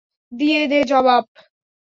দিয়ে দে জবাব?